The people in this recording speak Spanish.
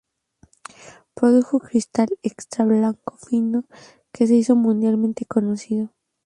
Produjo cristal extra blanco fino que se hizo mundialmente conocido.